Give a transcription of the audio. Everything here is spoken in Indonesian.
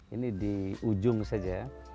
ini di ujung saja